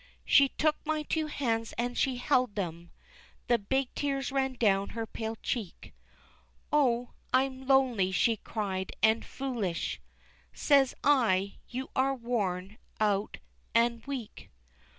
She took my two hands and she held them, The big tears ran down her pale cheek, "Oh, I'm lonely, she cried, and foolish," Says I, you are worn out an' weak.